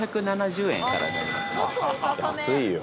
安いよ。